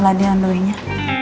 ladi and duenya